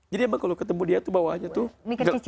jadi emang kalo ketemu dia tuh bawahnya tuh